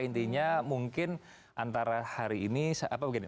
intinya mungkin antara hari ini apa begini